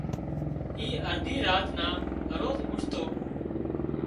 اي ارڌي راچ نا هروز اُوٺتو